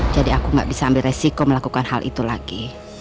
jadi aku gak bisa ambil resiko melakukan hal itu lagi